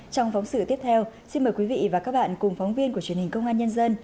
trong phóng sự tiếp theo xin mời quý vị và các bạn cùng phóng viên của truyền hình công an nhân dân